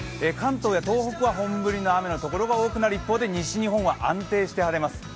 関東や東北は本降りの雨の所が多くなる一方で西日本は安定して晴れます。